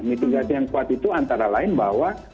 mitigasi yang kuat itu antara lain bahwa